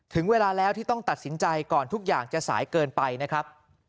ถึงเวลาแล้วที่ต้องตัดสินใจก่อนทุกอย่างจะสายเกินไปนะครับ